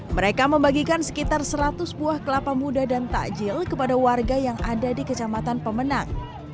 mereka membagikan sekitar seratus buah kelapa muda dan takjil kepada warga yang ada di kecamatan pemenang